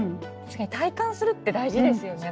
体感するって大事ですよね